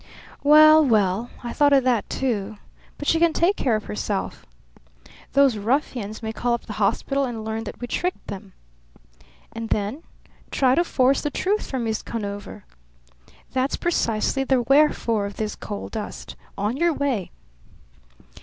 "Well, well! I thought of that, too. But she can take care of herself." "Those ruffians may call up the hospital and learn that we tricked them. "And then?" "Try to force the truth from Miss Conover." "That's precisely the wherefore of this coal dust. On your way!"